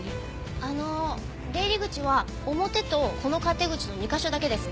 あの出入り口は表とこの勝手口の２カ所だけですね？